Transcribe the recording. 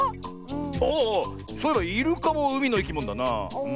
ああっそういえばイルカもうみのいきものだな。